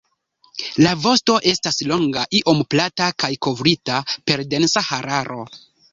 La vosto estas longa, iom plata kaj kovrita per densa hararo.